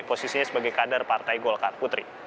posisinya sebagai kader partai golkar putri